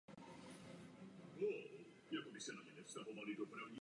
Na delší dobu pak Chlumec patřil k panství rodu Schwarzenbergů.